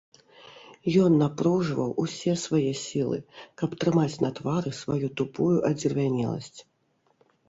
Ён напружваў усе свае сілы, каб трымаць на твары сваю тупую адзервянеласць.